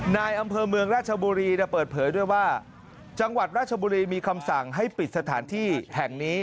นายอำเภอเมืองราชบุรีเปิดเผยด้วยว่าจังหวัดราชบุรีมีคำสั่งให้ปิดสถานที่แห่งนี้